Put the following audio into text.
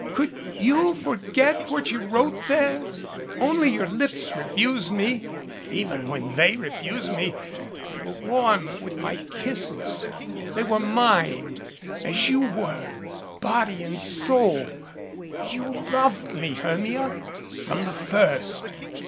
Could you forget what you wrote there ? Only your lips refused me. Even when they refused me, they were warm with my kisses. They were mine, as you were, body and soul. You loved me, Hermia from the first.